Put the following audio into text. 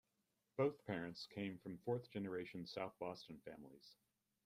Both parents came from fourth-generation South Boston families.